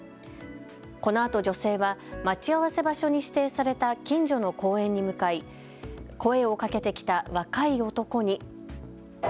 このあと、女性は待ち合わせ場所に指定された近所の公園に向かい声をかけてきた若い男に。